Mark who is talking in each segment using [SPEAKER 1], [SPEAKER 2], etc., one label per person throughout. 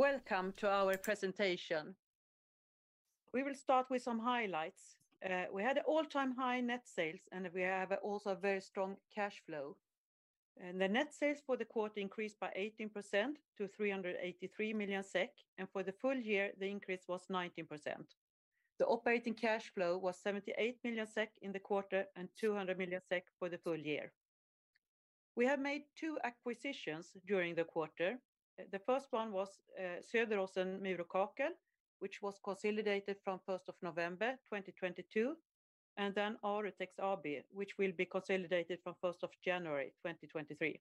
[SPEAKER 1] Welcome to our presentation. We will start with some highlights. We had a all-time high net sales, we have also very strong cash flow. The net sales for the quarter increased by 18% to 383 million SEK, and for the full year, the increase was 19%. The operating cash flow was 78 million SEK in the quarter and 200 million SEK for the full year. We have made two acquisitions during the quarter. The first one was Söderåsens Mur & Kakel, which was consolidated from November 1, 2022, and then Arutex AB, which will be consolidated from January 1, 2023.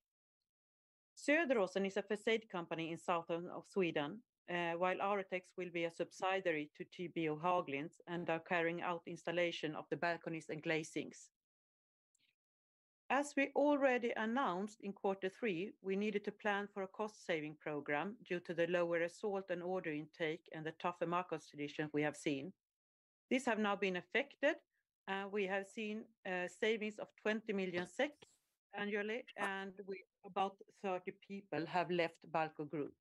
[SPEAKER 1] Söderåsen is a facade company in southern of Sweden, while Arutex will be a subsidiary to TBO Haglinds and are carrying out installation of the balconies and glazings. As we already announced in Q3, we needed to plan for a cost-saving program due to the lower sales and order intake and the tougher market conditions we have seen. These have now been affected, and we have seen savings of 20 million SEK annually. About 30 people have left Balco Group.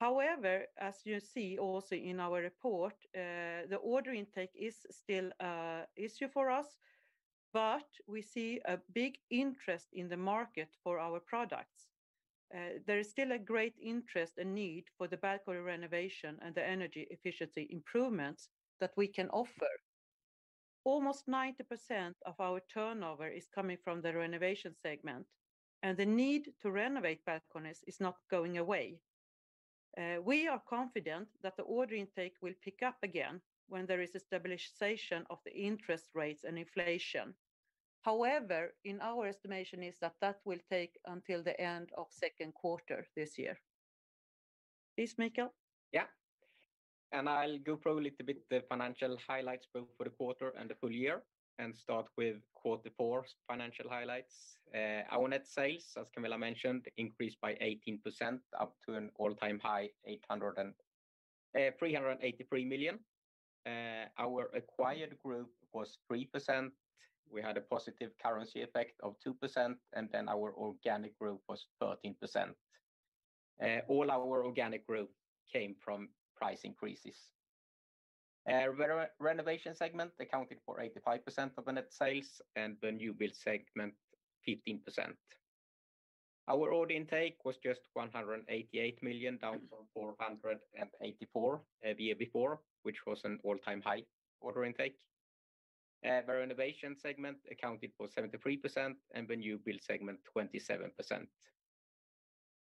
[SPEAKER 1] However, as you see also in our report, the order intake is still a issue for us, but we see a big interest in the market for our products. There is still a great interest and need for the balcony renovation and the energy efficiency improvements that we can offer. Almost 90% of our turnover is coming from the renovation segment, and the need to renovate balconies is not going away. We are confident that the order intake will pick up again when there is a stabilization of the interest rates and inflation. However, in our estimation is that that will take until the end of Q2 this year. Please, Mikael.
[SPEAKER 2] Yeah. I'll go probably little bit the financial highlights both for the quarter and the full year and start with Q4 financial highlights. Our net sales, as Camilla mentioned, increased by 18% up to an all-time high, 383 million. Our acquired group was 3%. We had a positive currency effect of 2%, and then our organic group was 13%. All our organic group came from price increases. Our renovation segment accounted for 85% of the net sales, and the new build segment, 15%. Our order intake was just 188 million, down from 484 million the year before, which was an all-time high order intake. Our renovation segment accounted for 73% and the new build segment, 27%.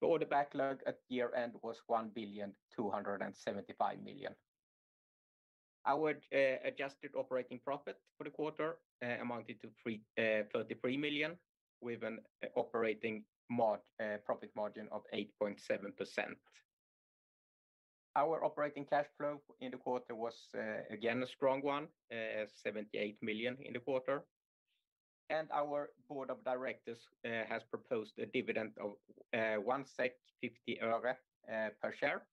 [SPEAKER 2] The order backlog at year-end was 1.275 billion. Our adjusted operating profit for the quarter amounted to 33 million, with an operating profit margin of 8.7%. Our operating cash flow in the quarter was again a strong one at 78 million in the quarter. Our board of directors has proposed a dividend of 1 SEK 50 öre per share,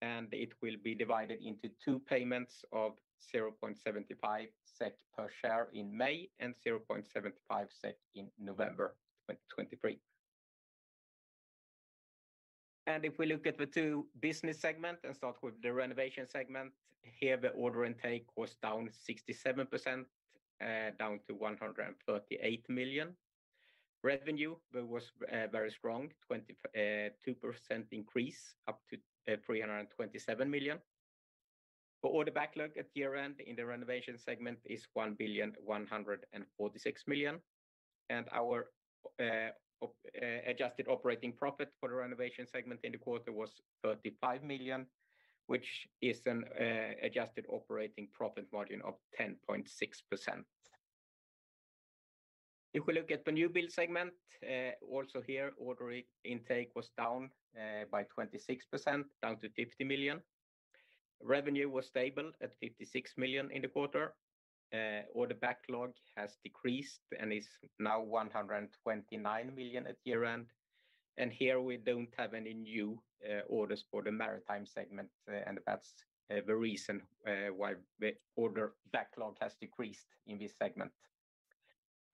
[SPEAKER 2] and it will be divided into two payments of 0.75 SEK per share in May and 0.75 SEK in November 2023. If we look at the two business segment and start with the renovation segment, here, the order intake was down 67% down to 138 million. Revenue was very strong, 2% increase up to 327 million. The order backlog at year-end in the renovation segment is 1,146 million, and our adjusted operating profit for the renovation segment in the quarter was 35 million, which is an adjusted operating profit margin of 10.6%. If we look at the new build segment, also here, order intake was down by 26%, down to 50 million. Revenue was stable at 56 million in the quarter. Order backlog has decreased and is now 129 million at year-end. Here we don't have any new orders for the maritime segment, and that's the reason why the order backlog has decreased in this segment.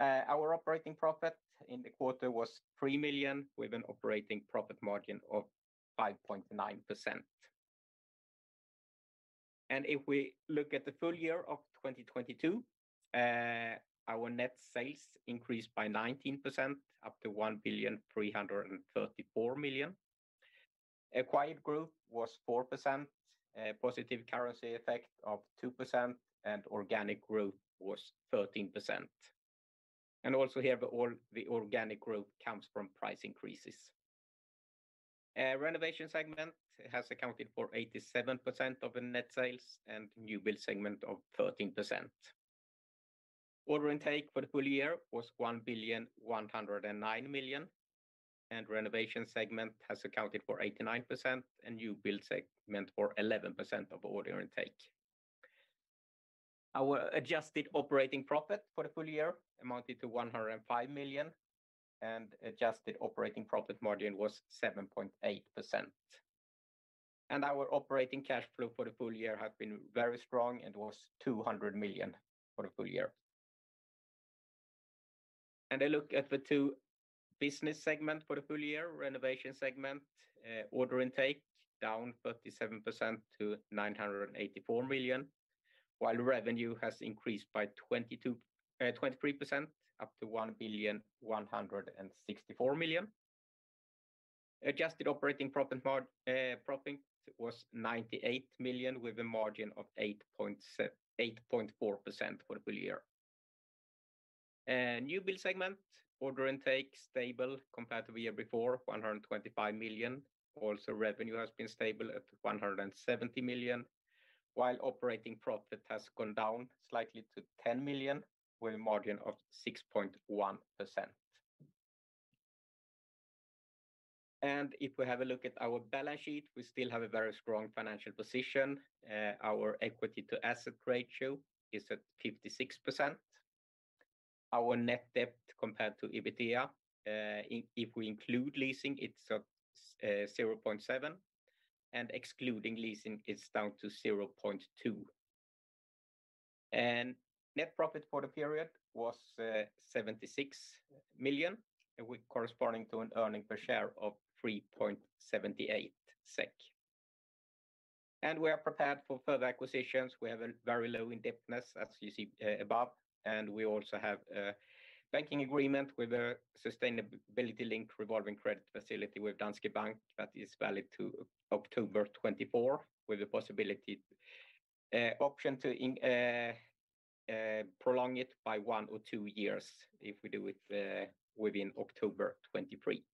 [SPEAKER 2] Our operating profit in the quarter was 3 million, with an operating profit margin of 5.9%. If we look at the full year of 2022, our net sales increased by 19%, up to 1,334 million. Acquired group was 4%. Positive currency effect of 2%, organic growth was 13%. Also here, the organic growth comes from price increases. Renovation segment has accounted for 87% of the net sales and new build segment of 13%. Order intake for the full year was 1,109 million, renovation segment has accounted for 89% and new build segment for 11% of order intake. Our adjusted operating profit for the full year amounted to 105 million, and adjusted operating profit margin was 7.8%. Our operating cash flow for the full year had been very strong and was 200 million for the full year. I look at the two business segment for the full year. Renovation segment, order intake down 37% to 984 million, while revenue has increased by 23% up to 1,164 million. Adjusted operating profit was 98 million with a margin of 8.4% for the full year. New build segment order intake stable compared to the year before, 125 million. Revenue has been stable at 170 million, while operating profit has gone down slightly to 10 million with a margin of 6.1%. If we have a look at our balance sheet, we still have a very strong financial position. Our equity to asset ratio is at 56%. Our net debt compared to EBITDA, if we include leasing, it's at 0.7, and excluding leasing it's down to 0.2. Net profit for the period was 76 million, corresponding to an earning per share of 3.78 SEK. We are prepared for further acquisitions. We have a very low indebtedness, as you see above. We also have a banking agreement with a sustainability-linked revolving credit facility with Danske Bank that is valid to October 2024, with the possibility, option to prolong it by one or two years if we do it within October 2023.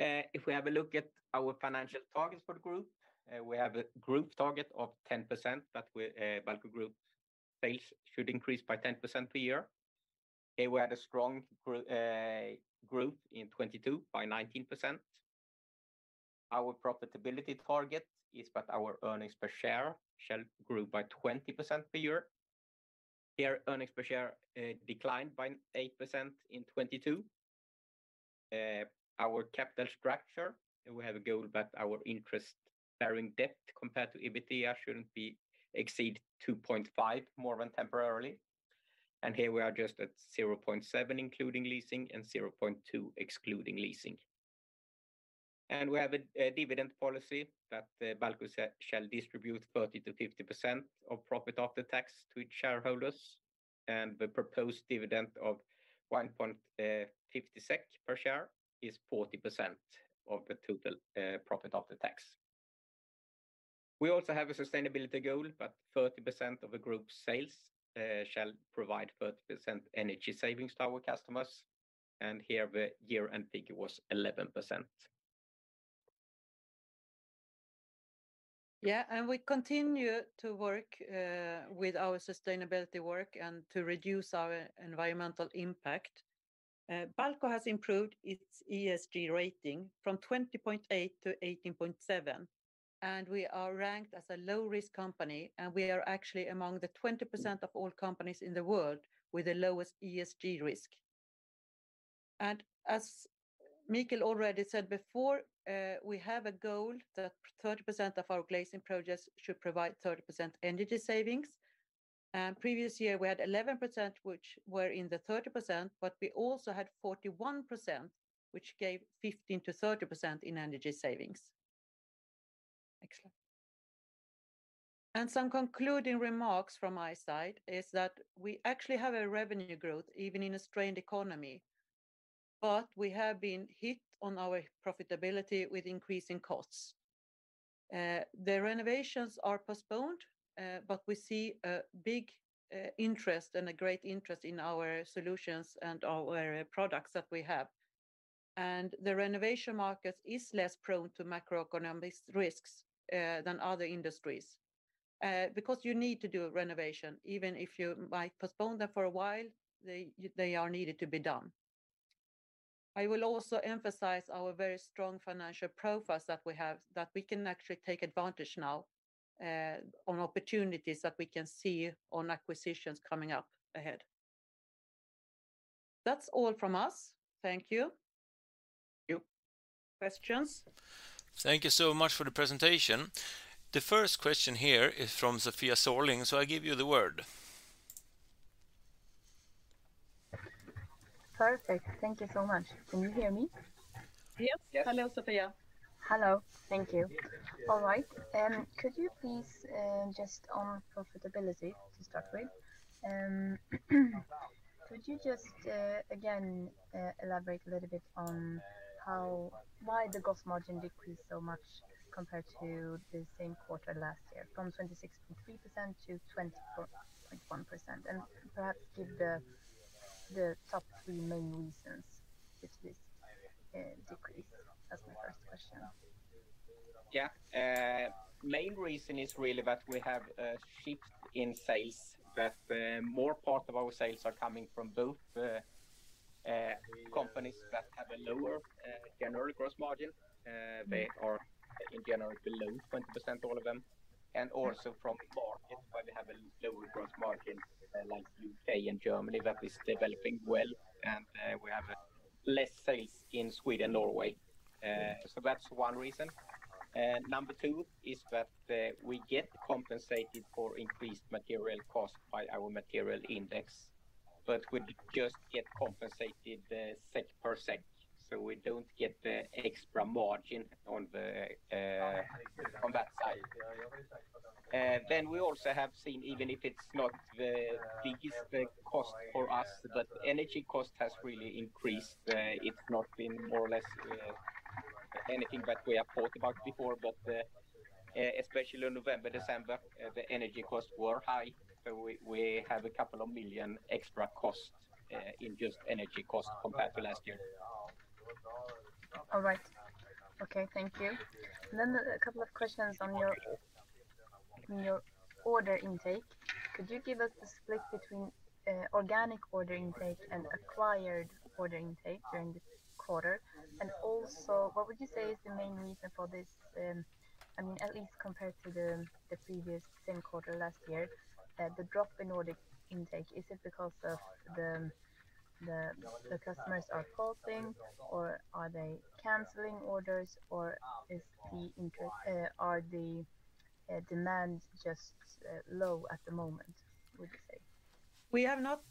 [SPEAKER 2] If we have a look at our financial targets for the group, we have a group target of 10% that we, Balco Group sales should increase by 10% per year. Okay, we had a strong growth in 2022 by 19%. Our profitability target is that our earnings per share shall grow by 20% per year. Here, earnings per share declined by 8% in 2022. Our capital structure, we have a goal that our interest bearing debt compared to EBITDA shouldn't be exceed 2.5 more than temporarily. Here we are just at 0.7 including leasing and 0.2 excluding leasing. We have a dividend policy that Balco shall distribute 30% to 50% of profit after tax to its shareholders. The proposed dividend of 1.50 SEK per share is 40% of the total profit after tax. We also have a sustainability goal that 30% of the group's sales shall provide 30% energy savings to our customers. Here the year end figure was 11%.
[SPEAKER 1] Yeah. We continue to work with our sustainability work and to reduce our environmental impact. Balco has improved its ESG rating from 20.8 to 18.7, and we are ranked as a low-risk company, and we are actually among the 20% of all companies in the world with the lowest ESG risk. As Mikael already said before, we have a goal that 30% of our glazing projects should provide 30% energy savings. Previous year we had 11% which were in the 30%, but we also had 41%, which gave 15% to 30% in energy savings. Next slide. Some concluding remarks from my side is that we actually have a revenue growth even in a strained economy, but we have been hit on our profitability with increasing costs. The renovations are postponed, but we see a big interest and a great interest in our solutions and our products that we have. The renovation market is less prone to macroeconomic risks than other industries, because you need to do a renovation. Even if you might postpone them for a while, they are needed to be done. I will also emphasize our very strong financial profiles that we have, that we can actually take advantage now on opportunities that we can see on acquisitions coming up ahead. That's all from us. Thank you.
[SPEAKER 2] Thank you.
[SPEAKER 1] Questions?
[SPEAKER 3] Thank you so much for the presentation. The first question here is from Sofia Sörling, so I give you the word.
[SPEAKER 4] Perfect. Thank you so much. Can you hear me?
[SPEAKER 1] Yep.
[SPEAKER 2] Yep.
[SPEAKER 1] Hello, Sofia.
[SPEAKER 4] Hello. Thank you. All right. Could you please, just on profitability to start with, could you just again elaborate a little bit on why the gross margin decreased so much compared to the same quarter last year, from 26.3% to 24.1%, and perhaps give the top three main reasons if this decrease? That's my first question.
[SPEAKER 2] Main reason is really that we have a shift in sales, that more part of our sales are coming from both companies that have a lower general gross margin. They are in general below 20%, all of them. From markets where they have a lower gross margin, like UK and Germany that is developing well. We have less sales in Sweden and Norway. That's one reason. Number two is that we get compensated for increased material cost by our material index, but we just get compensated SEK per SEK, so we don't get the extra margin on the on that side. We also have seen, even if it's not the biggest, like, cost for us, but energy cost has really increased. It's not been more or less, anything that we have talked about before, but especially November, December, the energy costs were high. We have a couple of million extra cost, in just energy cost compared to last year.
[SPEAKER 4] All right. Okay, thank you. A couple of questions on your order intake. Could you give us the split between organic order intake and acquired order intake during this quarter? Also, what would you say is the main reason for this, I mean, at least compared to the previous same quarter last year, the drop in order intake, is it because of the customers are pausing or are they canceling orders or are the demand just low at the moment, would you say?
[SPEAKER 1] We have not,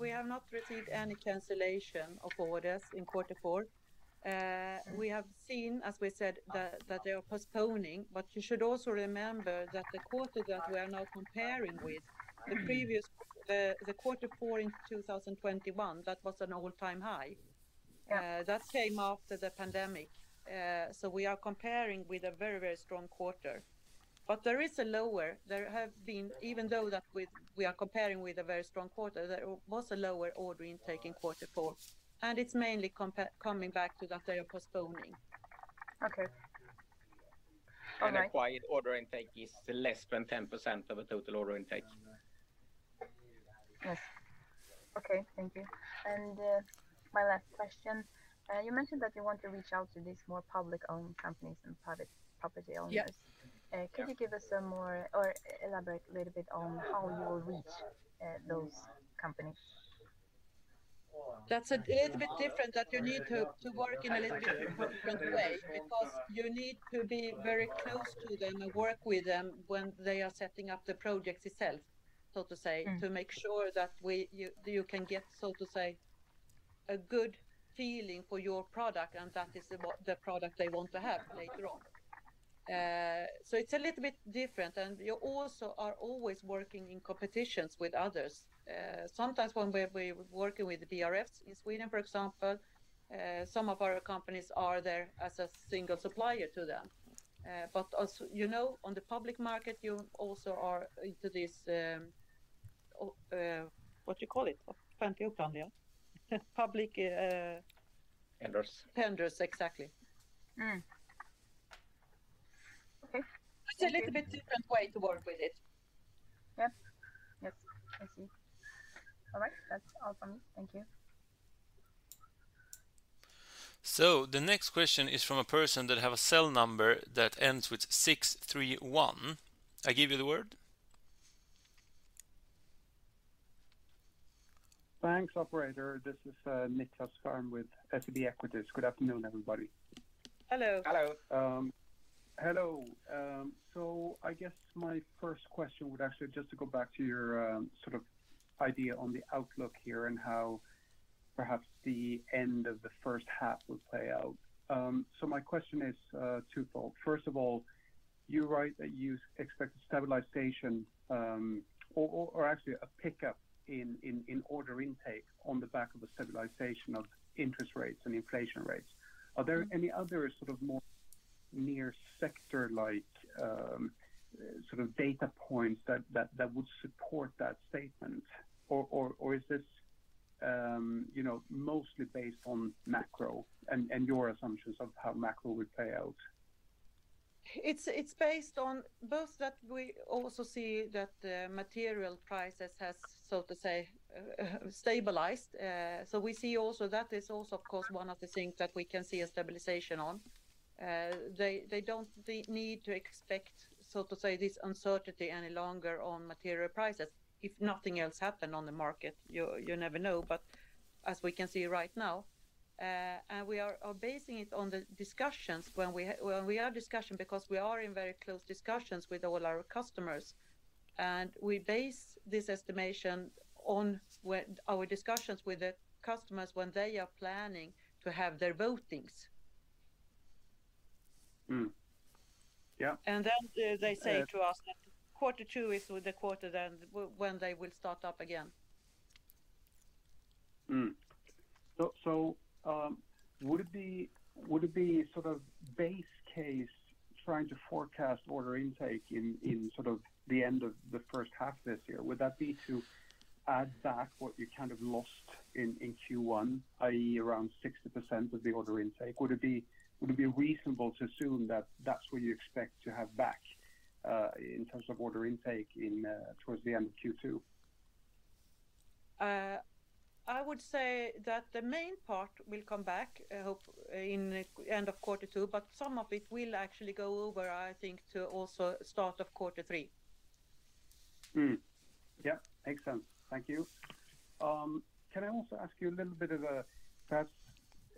[SPEAKER 1] we have not received any cancellation of orders in Q4. We have seen, as we said, that they are postponing, you should also remember that the quarter that we are now comparing with, the previous, the Q4 in 2021, that was an all-time high.
[SPEAKER 4] Yeah.
[SPEAKER 1] That came after the pandemic. We are comparing with a very, very strong quarter. Even though we are comparing with a very strong quarter, there was a lower order intake in Q4, it's mainly coming back to that they are postponing.
[SPEAKER 4] Okay. All right.
[SPEAKER 2] Acquired order intake is less than 10% of the total order intake.
[SPEAKER 1] Yes.
[SPEAKER 4] Okay, thank you. My last question. You mentioned that you want to reach out to these more public-owned companies and private property owners.
[SPEAKER 1] Yes.
[SPEAKER 4] Could you give us some more or elaborate a little bit on how you will reach those companies?
[SPEAKER 1] That's a little bit different that you need to work in a little bit different way because you need to be very close to them and work with them when they are setting up the projects itself, so to say. To make sure that you can get, so to say, a good feeling for your product, and that is the product they want to have later on. It's a little bit different, and you also are always working in competitions with others. Sometimes when we're working with BRFs in Sweden, for example, some of our companies are there as a single supplier to them. Also, you know, on the public market, you also are into this, what you call it?
[SPEAKER 2] Tenders.
[SPEAKER 1] Tenders, exactly.
[SPEAKER 4] Okay.
[SPEAKER 1] It's a little bit different way to work with it.
[SPEAKER 4] Yes, I see. All right. That's all from me. Thank you.
[SPEAKER 3] The next question is from a person that have a cell number that ends with 631. I give you the word.
[SPEAKER 5] Thanks, operator. This is Nicklas Fhärm with SEB Equities. Good afternoon, everybody.
[SPEAKER 1] Hello.
[SPEAKER 2] Hello.
[SPEAKER 5] Hello. I guess my first question would actually just to go back to your sort of idea on the outlook here and how perhaps the end of the H1 will play out. My question is twofold. First of all, you write that you expect a stabilization, or actually a pickup in order intake on the back of a stabilization of interest rates and inflation rates. Are there any other sort of more near sector like sort of data points that would support that statement? Or is this, you know, mostly based on macro and your assumptions of how macro would play out?
[SPEAKER 1] It's based on both that we also see that the material prices has, so to say, stabilized. We see also that is also of course, one of the things that we can see a stabilization on. They don't need to expect, so to say, this uncertainty any longer on material prices. If nothing else happened on the market, you never know. As we can see right now, and we are basing it on the discussions when we have discussion because we are in very close discussions with all our customers. We base this estimation on our discussions with the customers when they are planning to have their votings.
[SPEAKER 5] Yeah.
[SPEAKER 1] They say to us that quarter two is the quarter then when they will start up again.
[SPEAKER 5] Would it be sort of base case trying to forecast order intake in sort of the end of the H1 this year? Would that be to add back what you kind of lost in Q1, i.e., around 60% of the order intake? Would it be reasonable to assume that that's what you expect to have back in terms of order intake towards the end of Q2?
[SPEAKER 1] I would say that the main part will come back, hope, in the end of Q2, but some of it will actually go over, I think, to also start of Q3.
[SPEAKER 5] Yeah, makes sense. Thank you. Can I also ask you a little bit of a,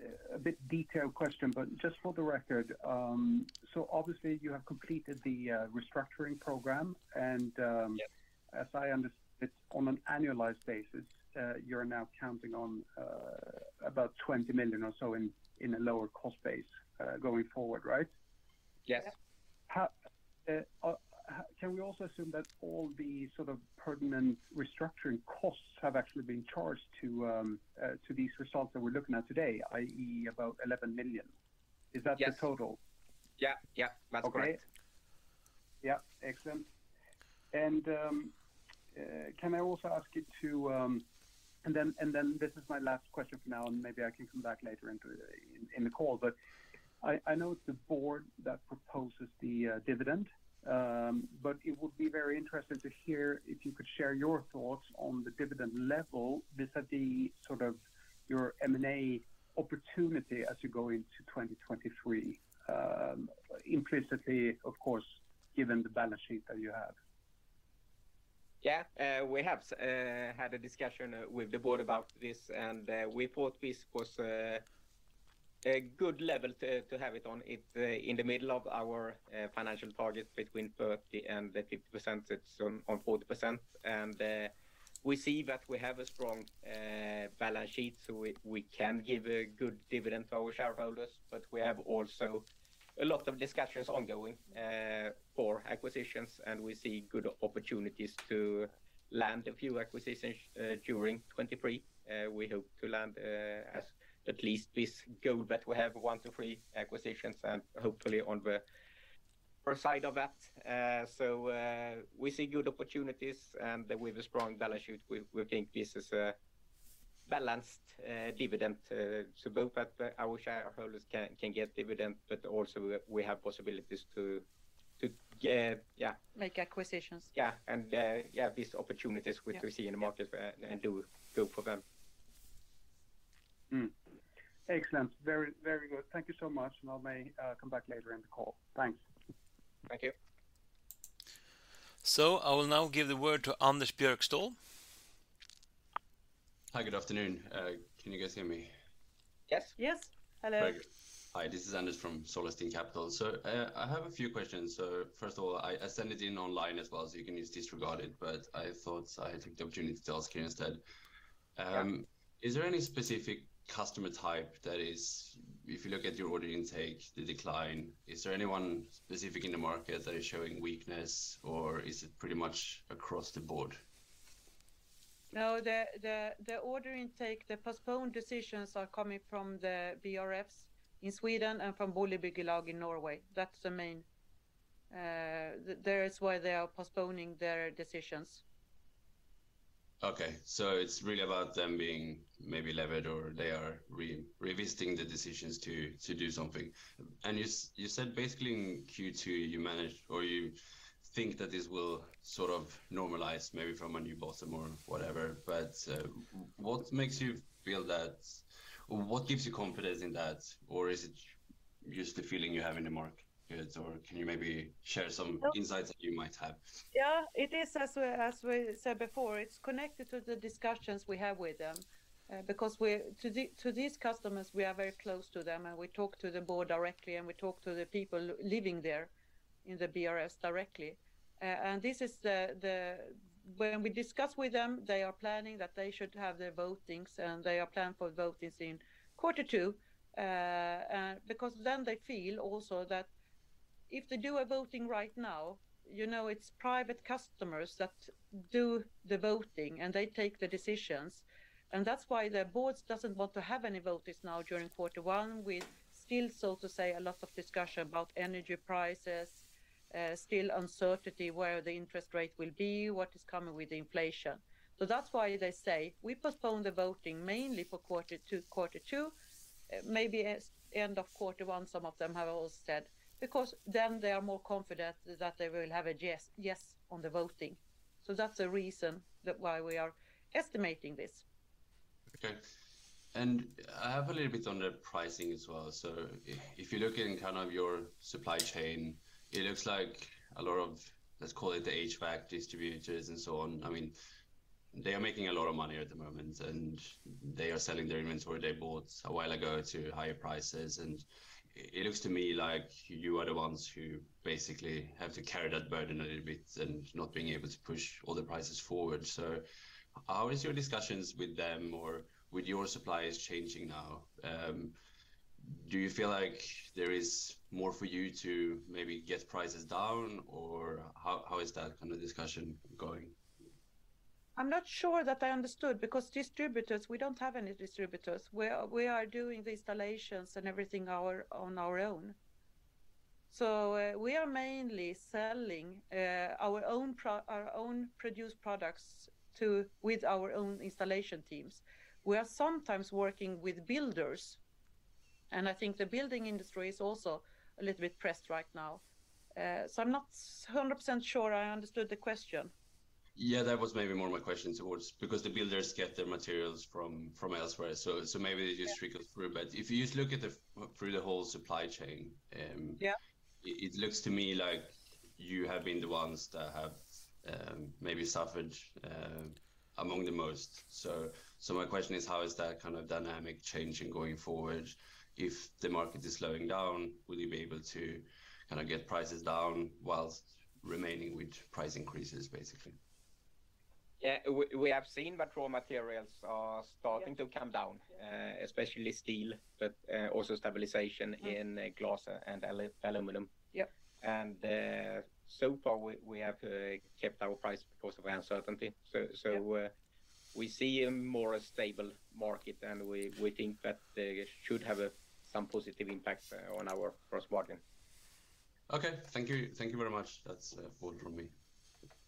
[SPEAKER 5] perhaps a bit detailed question, but just for the record? Obviously you have completed the restructuring program.
[SPEAKER 2] Yes
[SPEAKER 5] As I on an annualized basis, you're now counting on about 20 million or so in a lower cost base going forward, right?
[SPEAKER 2] Yes.
[SPEAKER 5] Can we also assume that all the sort of pertinent restructuring costs have actually been charged to these results that we're looking at today, i.e., about 11 million?
[SPEAKER 2] Yes.
[SPEAKER 5] Is that the total?
[SPEAKER 2] Yeah. That's correct.
[SPEAKER 5] Okay. Yeah. Excellent. Can I also ask you to, then this is my last question for now, and maybe I can come back later in the call. I know it's the board that proposes the dividend, but it would be very interesting to hear if you could share your thoughts on the dividend level vis-a-vis sort of your M&A opportunity as you go into 2023, implicitly, of course, given the balance sheet that you have.
[SPEAKER 2] Yeah. We had a discussion with the board about this, and we thought this was a good level to have it on. In the middle of our financial target between 30% and 50%, it's on 40%. We see that we have a strong balance sheet, so we can give a good dividend to our shareholders. We have also a lot of discussions ongoing for acquisitions, and we see good opportunities to land a few acquisitions during 2023. We hope to land at least this goal that we have one to three acquisitions and hopefully on the first side of that. We see good opportunities, and with a strong balance sheet, we think this is a balanced dividend. Both at our shareholders can get dividend, but also we have possibilities to get.
[SPEAKER 1] Make acquisitions
[SPEAKER 2] .Yeah, these opportunities which we see in the market and do, go for them.
[SPEAKER 5] Excellent. Very, very good. Thank you so much. I may come back later in the call. Thanks.
[SPEAKER 2] Thank you.
[SPEAKER 3] I will now give the word to Anders Björkstål.
[SPEAKER 6] Hi, good afternoon. Can you guys hear me?
[SPEAKER 2] Yes.
[SPEAKER 1] Yes. Hello.
[SPEAKER 6] Very good. Hi, this is Anders from Solarstein Capital. I have a few questions. First of all, I send it in online as well, so you can just disregard it, but I thought I'd take the opportunity to ask you instead. Is there any specific customer type that is, if you look at your order intake, the decline, is there anyone specific in the market that is showing weakness or is it pretty much across the board?
[SPEAKER 1] No, the order intake, the postponed decisions are coming from the BRFs in Sweden and from Boligbyggelag in Norway. That's the main, there is why they are postponing their decisions.
[SPEAKER 6] It's really about them being maybe levered or they are revisiting the decisions to do something. You said basically in Q2, you managed or you think that this will sort of normalize maybe from a new bottom or whatever. What makes you feel that? What gives you confidence in that? Is it just the feeling you have in the market? Can you maybe share some insights that you might have?
[SPEAKER 1] Yeah, it is as we said before, it's connected to the discussions we have with them. To these customers, we are very close to them, and we talk to the board directly, and we talk to the people living there in the BRFs directly. When we discuss with them, they are planning that they should have their votings, and they are planning for votings in Q2. Because then they feel also that if they do a voting right now, you know, it's private customers that do the voting, and they take the decisions. That's why their boards doesn't want to have any votings now during Q1 with still, so to say, a lot of discussion about energy prices, still uncertainty where the interest rate will be, what is coming with the inflation. That's why they say, "We postpone the voting mainly for Q2." Maybe as end of Q1, some of them have also said, because then they are more confident that they will have a yes on the voting. That's a reason that why we are estimating this.
[SPEAKER 6] Okay. I have a little bit on the pricing as well. If you look in kind of your supply chain, it looks like a lot of, let's call it the HVAC distributors and so on. I mean, they are making a lot of money at the moment, and they are selling their inventory they bought a while ago to higher prices. It looks to me like you are the ones who basically have to carry that burden a little bit and not being able to push all the prices forward. How is your discussions with them or with your suppliers changing now? Do you feel like there is more for you to maybe get prices down? Or how is that kind of discussion going?
[SPEAKER 1] I'm not sure that I understood because distributors, we don't have any distributors. We are doing the installations and everything on our own. We are mainly selling our own produced products with our own installation teams. We are sometimes working with builders, and I think the building industry is also a little bit pressed right now. I'm not 100% sure I understood the question.
[SPEAKER 6] Yeah, that was maybe more my question towards because the builders get their materials from elsewhere. Maybe they just trickle through. If you just look at the whole supply chain.
[SPEAKER 1] Yeah
[SPEAKER 6] It looks to me like you have been the ones that have, maybe suffered, among the most. My question is, how is that kind of dynamic changing going forward? If the market is slowing down, will you be able to kinda get prices down whilst remaining with price increases, basically?
[SPEAKER 2] Yeah. We have seen that raw materials are starting to come down.
[SPEAKER 1] Yeah
[SPEAKER 2] Especially steel, but also stabilization in glass and aluminum.
[SPEAKER 1] Yep.
[SPEAKER 2] So far we have kept our price because of uncertainty.
[SPEAKER 1] Yeah
[SPEAKER 2] We see a more stable market, and we think that it should have some positive impact on our gross margin.
[SPEAKER 6] Okay. Thank you. Thank you very much. That's all from me.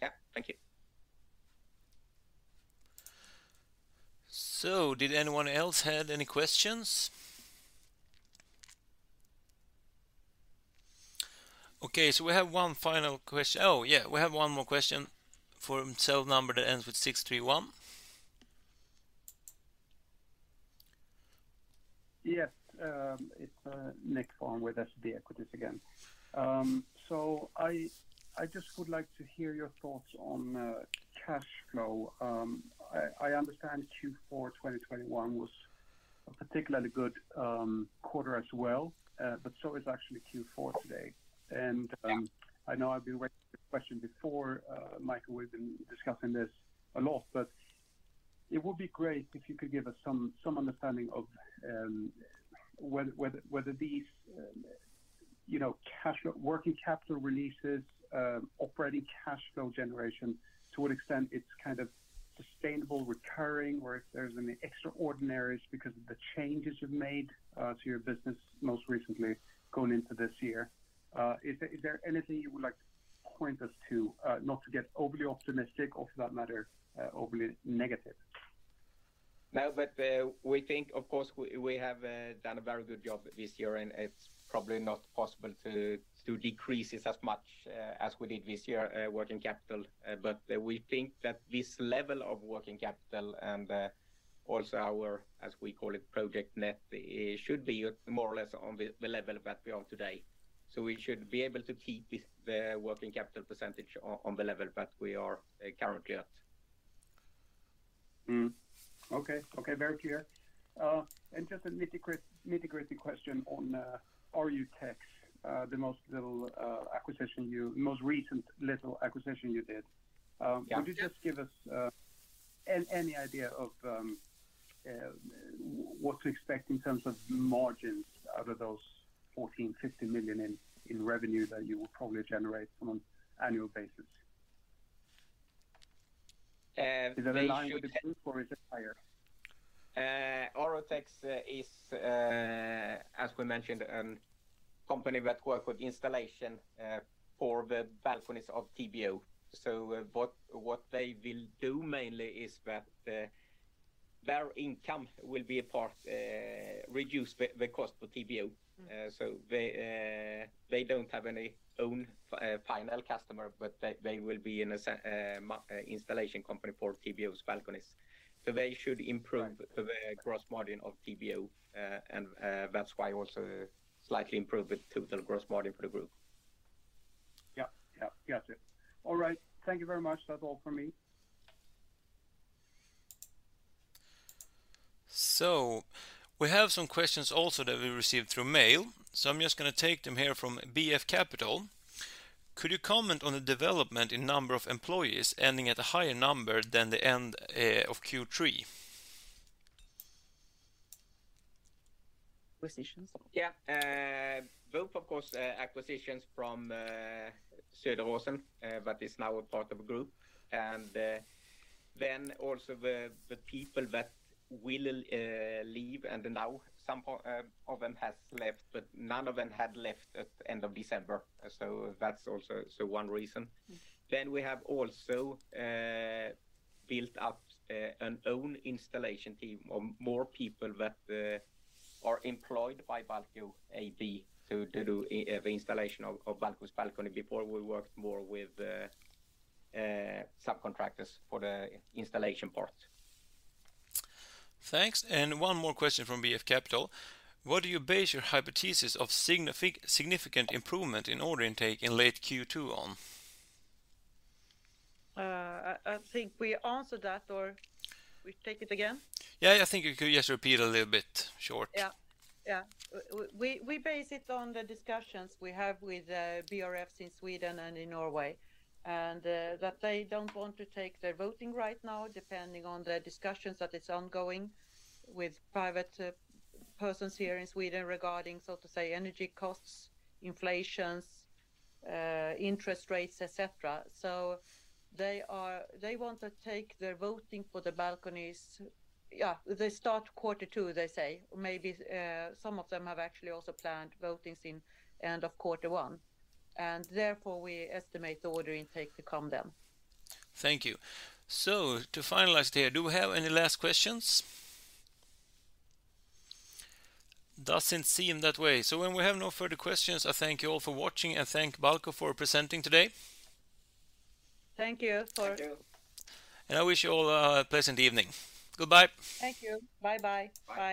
[SPEAKER 2] Yeah. Thank you.
[SPEAKER 3] Did anyone else had any questions? Okay, Oh, yeah, we have one more question from cell number that ends with 631.
[SPEAKER 5] Yes. It's Nicklas Fhärm with SEB Equities again. I just would like to hear your thoughts on cash flow. I understand Q4 2021 was a particularly good quarter as well, but so is actually Q4 today. I know I've been asking this question before, Michael, we've been discussing this a lot, but it would be great if you could give us some understanding of whether these, you know, cash flow working capital releases, operating cash flow generation, to what extent it's kind of sustainable recurring, or if there's any extraordinaries because of the changes you've made to your business most recently going into this year. Is there anything you would like to point us to, not to get overly optimistic or for that matter, overly negative?
[SPEAKER 2] We think, of course, we have done a very good job this year, and it's probably not possible to decrease this as much as we did this year, working capital. We think that this level of working capital and also our, as we call it, project net, it should be more or less on the level that we are today. We should be able to keep the working capital percentage on the level that we are currently at.
[SPEAKER 5] Okay, very clear. Just a nitty-gritty question on Stora Fasad AB, the most recent little acquisition you did.
[SPEAKER 2] Yeah
[SPEAKER 5] Could you just give us any idea of what to expect in terms of margins out of those 1,450 million in revenue that you will probably generate on an annual basis?
[SPEAKER 2] They should-
[SPEAKER 5] Is that in line with the group or is it higher?
[SPEAKER 2] Stora Fasad AB is, as we mentioned, company that work with installation, for the balconies of TBOH. What they will do mainly is that, their income will be a part, reduce the cost for TBOH. They don't have any own final customer, but they will be in a installation company for TBOH's balconies. They should improve the gross margin of TBOH. That's why also slightly improve the total gross margin for the group.
[SPEAKER 5] Yep. Got it. All right. Thank you very much. That's all from me.
[SPEAKER 3] We have some questions also that we received through mail, so I'm just gonna take them here from BF.capital. Could you comment on the development in number of employees ending at a higher number than the end of Q3?
[SPEAKER 1] Acquisitions?
[SPEAKER 2] Yeah. Both of course, acquisitions from Söderåsen, that is now a part of group. Then also the people that will leave, and now some of them has left, but none of them had left at the end of December. That's also one reason. We have also built up an own installation team of more people that are employed by Balco AB to do the installation of Balco's balcony. Before, we worked more with subcontractors for the installation part.
[SPEAKER 3] Thanks. One more question from BF.capital. What do you base your hypothesis of significant improvement in order intake in late Q2 on?
[SPEAKER 1] I think we answered that, or we take it again?
[SPEAKER 3] Yeah, I think you could just repeat a little bit short.
[SPEAKER 1] Yeah. We base it on the discussions we have with BRFs in Sweden and in Norway, and that they don't want to take their voting right now, depending on the discussions that is ongoing with private persons here in Sweden regarding, so to say, energy costs, inflations, interest rates, et cetera. They want to take their voting for the balconies, yeah, they start Q2, they say. Maybe some of them have actually also planned votings in end of Q1. Therefore we estimate the order intake to come then.
[SPEAKER 3] Thank you. To finalize here, do we have any last questions? Doesn't seem that way. When we have no further questions, I thank you all for watching and thank Balco for presenting today.
[SPEAKER 1] Thank you.
[SPEAKER 2] Thank you.
[SPEAKER 3] I wish you all a pleasant evening. Goodbye.
[SPEAKER 1] Thank you. Bye bye.
[SPEAKER 2] Bye.